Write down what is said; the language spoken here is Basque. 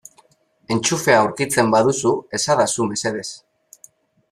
Entxufea aurkitzen baduzu esadazu mesedez.